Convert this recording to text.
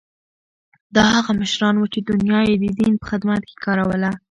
دا هغه مشران وو چې دنیا یې د دین په خدمت کې کاروله.